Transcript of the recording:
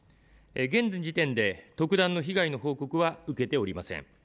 現時点で特段の被害の報告は受けておりません。